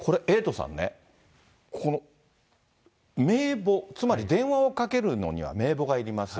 これ、エイトさんね、この名簿、つまり電話をかけるのには名簿がいります。